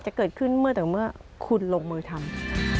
จะเกิดขึ้นเมื่อแต่เมื่อคุณลงมือทำ